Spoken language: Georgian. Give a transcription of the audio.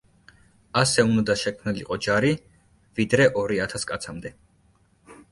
ასე უნდა შექმნილიყო ჯარი „ვიდრე ორი ათას კაცამდე“.